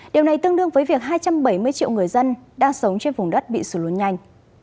điều này tương đương với việc hai trăm bảy mươi triệu người dân đang sống trên vùng đất bị sụt lún nhanh